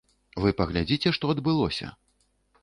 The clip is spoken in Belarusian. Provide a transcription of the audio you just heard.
Вы паглядзіце, што адбылося.